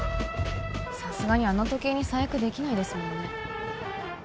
さすがにあの時計に細工できないですもんね